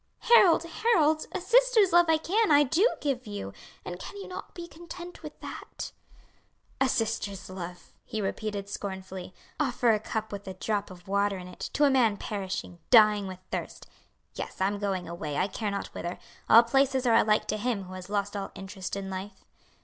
"Harold, Harold, a sister's love I can, I do give you; and can you not be content with that?" "A sister's love!" he repeated scornfully. "Offer a cup with a drop of water in it, to a man perishing, dying with thirst. Yes, I'm going away, I care not whither; all places are alike to him who has lost all interest in life."